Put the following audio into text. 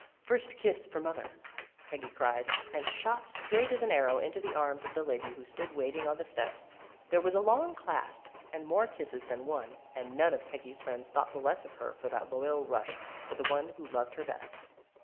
" First kiss for mother," Peggy cried, and shot straight as an arrow into the arms of the lady who stood waiting on the steps. There was a long clasp and more kisses than one, and none of Peggy's friends thought the less of her for that loyal rush for the one who loved her best.